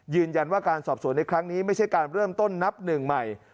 ยืนยันว่าการสอบสวนในครั้งนี้ไม่ใช่การเริ่มต้นนับหนึ่งใหม่